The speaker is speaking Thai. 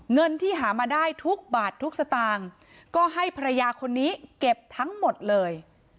เงินที่หามาได้ทุกบาททุกสตางค์ก็ให้ภรรยาคนนี้เก็บทั้งหมดเลย